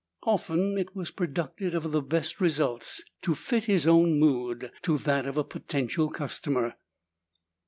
Often it was productive of the best results to fit his own mood to that of a potential customer.